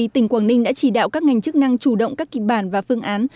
tỉnh quảng ninh đã chỉ đạo các ngành chức năng chủ động các kịp bản và phương án